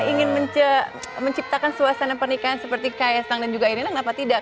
ingin menciptakan suasana pernikahan seperti kaya sang dan juga irina kenapa tidak